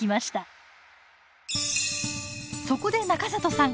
そこで中里さん